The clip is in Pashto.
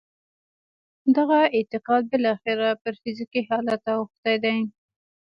دغه اعتقاد بالاخره پر فزیکي حالت اوښتی دی